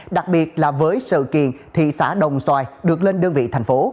đặc biệt là với sự kiện thị xã đồng xoài được lên đơn vị thành phố